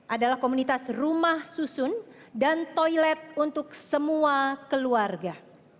adalah komunitas rumah susun dan toilet untuk semua keluarga